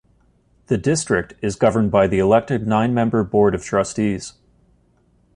The district is governed by the elected nine-member Board of Trustees.